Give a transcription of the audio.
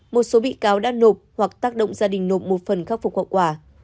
một số bị cáo đã nộp hoặc tác động gia đình nộp một phần khắc phục hậu quả